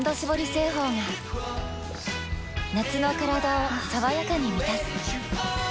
製法が夏のカラダを爽やかに満たす夏「生茶」